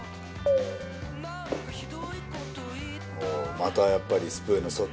またやっぱり。